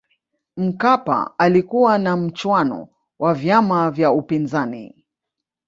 mkapa alikuwa na mchuano wa vyama vya upinzani